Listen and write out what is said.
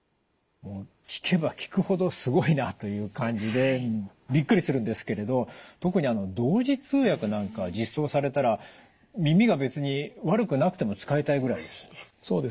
聞けば聞くほどすごいなという感じでびっくりするんですけれど特に同時通訳なんか実装されたら耳が別に悪くなくても使いたいぐらいです。